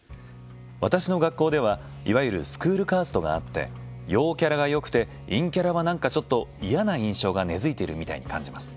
「私の学校では、いわゆるスクールカーストがあって陽キャラがよくて陰キャラはなんかちょっと嫌な印象が根づいているみたいに感じます。